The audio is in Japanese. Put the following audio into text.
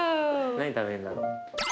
何食べるんだろう。